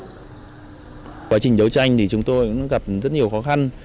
trong quá trình giấu tranh thì chúng tôi cũng gặp rất nhiều khó khăn